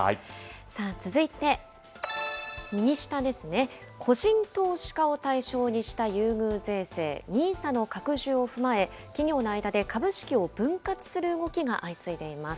続いて右下ですね、個人投資家を対象にした優遇税制、ＮＩＳＡの拡充を踏まえ、企業の間で株式を分割する動きが相次いでいます。